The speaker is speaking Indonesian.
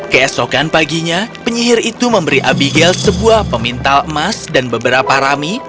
keesokan paginya penyihir itu memberi abigail sebuah pemintal emas dan beberapa rami